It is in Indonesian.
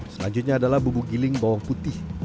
selanjutnya adalah bubuk giling bawang putih